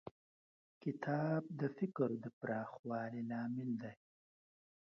کتاب د فکر د پراخوالي لامل دی.